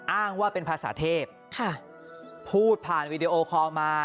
อ้างว่าเป็นภาษาเทพพูดผ่านวีดีโอคอลมา